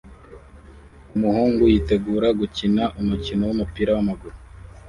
Umuhungu yiteguye gukina umukino wumupira wamaguru